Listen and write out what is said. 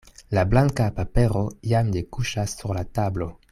La blanka papero jam ne kuŝas sur la tablo.